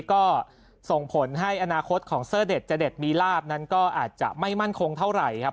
ก็ส่งผลให้อนาคตของเซอร์เด็ดเจเด็ดมีลาบนั้นก็อาจจะไม่มั่นคงเท่าไหร่ครับ